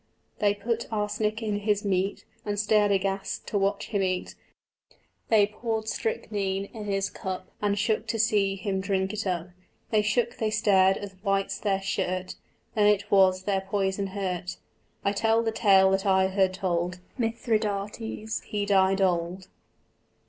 They put arsenic in his meat And stared aghast to watch him eat; They poured strychnine in his cup And shook to see him drink it up: They shook, they stared as white's their shirt: Them it was their poison hurt. I tell the tale that I heard told. Mithridates, he died old.